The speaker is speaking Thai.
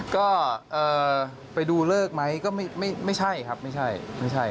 ก็ไปดูเริกไหมก็ไม่ใช่ครับไม่ใช่